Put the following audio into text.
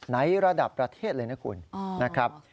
ในระดับประเทศเลยนะคุณนะครับ